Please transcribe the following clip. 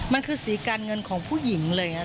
มันคือสีกัรเงินของผู้หญิงเลยน่ะ